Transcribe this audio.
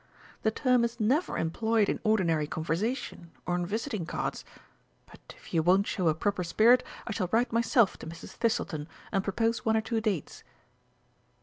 "The term is never employed in ordinary conversation, or on visiting cards. But, if you won't show a proper spirit, I shall write myself to Mrs. Thistleton and propose one or two dates."